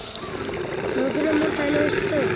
モグラも楽しそう。